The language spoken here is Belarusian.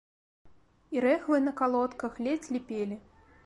І рэхвы на калодках ледзь ліпелі.